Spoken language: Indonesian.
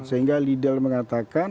sehingga lidl mengatakan